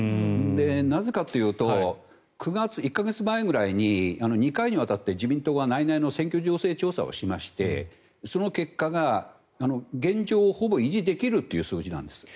なぜかというと９月、１か月くらい前に２回にわたって自民党が内々の選挙情勢調査をしましてその結果が現状をほぼ維持できるという数字なんです。